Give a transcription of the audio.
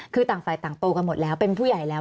คือต่างฝ่ายต่างโตกันหมดแล้วเป็นผู้ใหญ่แล้ว